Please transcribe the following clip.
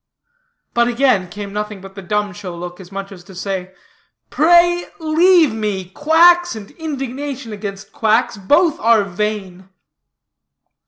But again came nothing but the dumb show look, as much as to say, "Pray leave me; quacks, and indignation against quacks, both are vain."